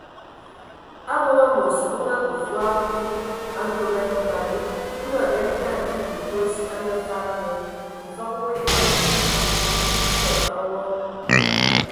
Abog amos o akə fɔɔ kwi a Ntoban vali, Ndɔ a nganyian a mbil Kosi a ngafag nye, mfəg woe a etul, ntig fa a wɔ.